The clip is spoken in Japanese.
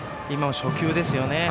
今の初球ですよね。